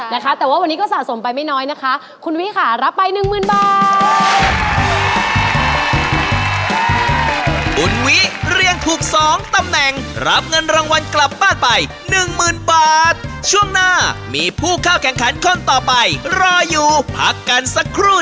นะคะแต่ว่าวันนี้ก็สะสมไปไม่น้อยนะคะคุณวิค่ะรับไปหนึ่งหมื่นบาท